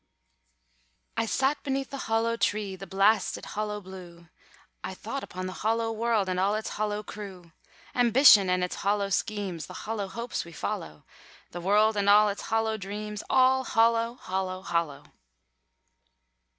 "'I sat beneath a hollow tree, The blast it hollow blew. I thought upon the hollow world, And all its hollow crew. Ambition and its hollow schemes, The hollow hopes we follow, The world and all its hollow dreams All hollow, hollow, hollow!'"